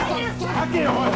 はけよおい！